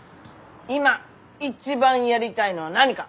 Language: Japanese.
今一番やりたいのは何か。